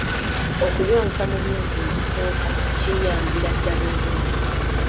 Okuyonsa mu myezi egisooka kiyambira ddala omwana.